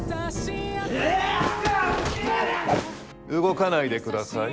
動かないで下さい。